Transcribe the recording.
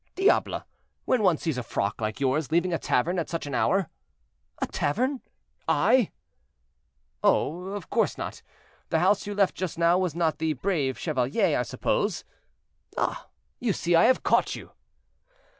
"Diable! when one sees a frock like yours leaving a tavern at such an hour—" "A tavern, I!" "Oh! of course not; the house you left just now was not the 'Brave Chevalier,' I suppose? Ah! you see I have caught you!"